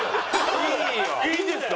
いいんですか？